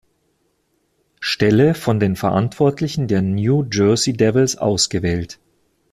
Stelle von den Verantwortlichen der New Jersey Devils ausgewählt.